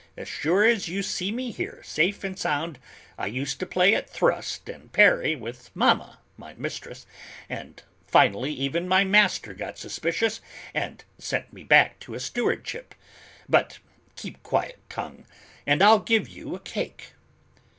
As sure as you see me here safe and sound, I used to play at thrust and parry with Mamma, my mistress, and finally even my master got suspicious and sent me back to a stewardship; but keep quiet, tongue, and I'll give you a cake."